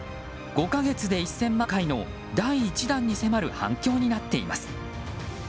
５か月で１０００万回の第１弾に迫る反響になっています。